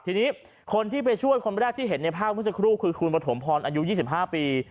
ทีนี้คนที่ไปช่วยคนแรกที่เห็นในภาพเมื่อสักครู่คือคุณปฐมพรอายุ๒๕ปี